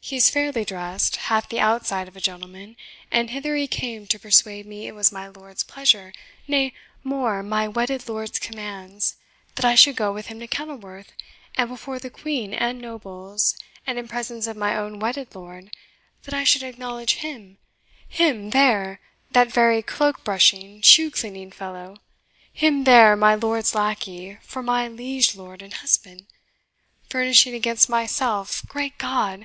He is fairly dressed, hath the outside of a gentleman, and hither he came to persuade me it was my lord's pleasure nay, more, my wedded lord's commands that I should go with him to Kenilworth, and before the Queen and nobles, and in presence of my own wedded lord, that I should acknowledge him HIM there that very cloak brushing, shoe cleaning fellow HIM there, my lord's lackey, for my liege lord and husband; furnishing against myself, Great God!